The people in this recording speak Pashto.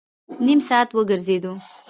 نیم ساعت وګرځېدو.